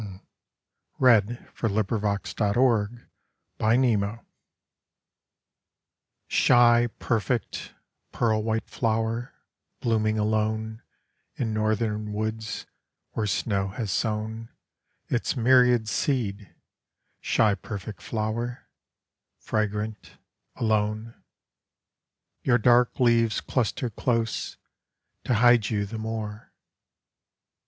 Shy Perfect Flower Grace Fallow Norton SHY perfect pearl white flower, blooming aloneIn northern woods where snow has sownIts myriad seed—shy perfect flower, Fragrant, alone—Your dark leaves cluster close to hide you the more.